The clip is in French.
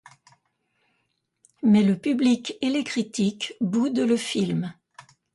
Mais le public et les critiques boudent le film.